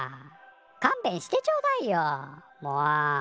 かんべんしてちょうだいよもう。